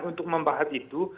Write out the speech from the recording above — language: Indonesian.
untuk membahas itu